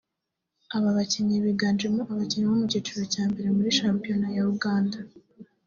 Aba bakinnyi biganjemo abakina mu cyiciro cya mbere muri shampiyoan ya Uganda